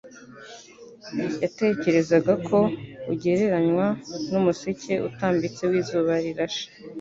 yatekerezaga ko ugereranywa "n'umuseke utambitse w'izuba rirashe,"